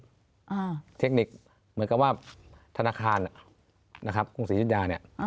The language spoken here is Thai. อ่าเทคนิคเหมือนกับว่าธนาคารนะครับภูมิศรีจิตยาเนี้ยอ่า